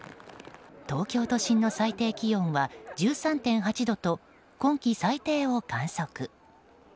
東京都心の最低気温は１３．８度と今季最低を観測。